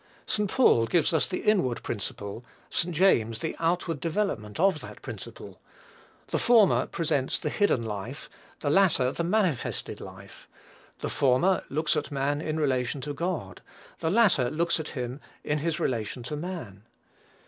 St Paul gives us the inward principle, St. James the outward development of that principle; the former presents the hidden life, the latter the manifested life; the former looks at man in relation to God, the latter looks at him in his relation to man.